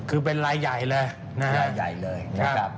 คือเป็นรายใหญ่เลยนะครับคือเป็นรายใหญ่เลยนะครับ